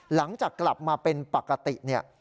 หลังจากกลับมาเป็นปกติเนี่ย